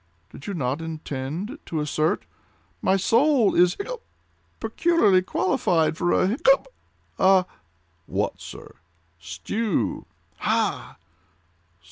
"Did you not intend to assert—" "My soul is—hiccup!—peculiarly qualified for—hiccup!—a—" "What, sir?" "Stew." "Ha!"